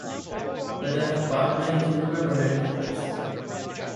Her death sparked many to remember her influence.